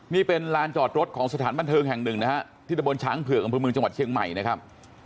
นี่เป็นลานจอดรถของสถานบันเทิงแห่งหนึ่งนะฮะที่ตะบนช้างเผือกอำเภอเมืองจังหวัดเชียงใหม่นะครับ